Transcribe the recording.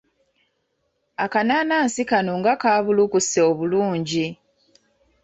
Akanaanansi kano nga kabuulukuse obulungi!